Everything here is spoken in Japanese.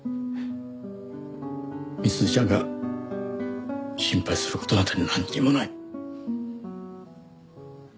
美鈴ちゃんが心配する事なんてなんにもない。